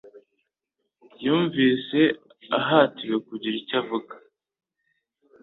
yumvise ahatiwe kugira icyo avuga.